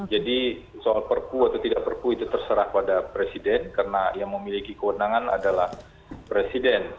jadi soal perpu atau tidak perpu itu terserah pada presiden karena yang memiliki kewenangan adalah presiden